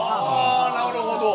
ああなるほど。